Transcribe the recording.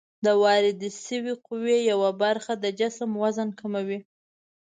د واردې شوې قوې یوه برخه د جسم وزن کموي.